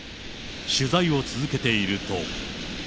取材を続けていると。